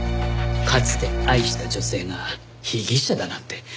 かつて愛した女性が被疑者だなんて。